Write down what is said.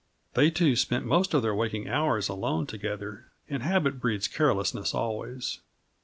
They two spent most of their waking hours alone together, and habit breeds carelessness always.